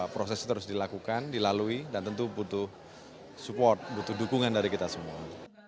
proses itu harus dilakukan dilalui dan tentu butuh support butuh dukungan dari kita semua